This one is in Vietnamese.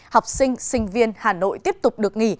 học sinh sinh viên hà nội tiếp tục được nghỉ